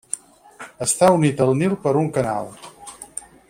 Està unit al Nil per un canal.